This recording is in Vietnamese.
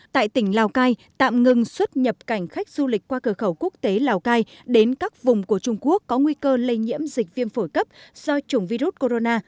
tại tỉnh lào cai tạm ngừng xuất nhập cảnh khách du lịch qua cửa khẩu quốc tế lào cai đến các vùng của trung quốc có nguy cơ lây nhiễm dịch viêm phổi cấp do chủng virus corona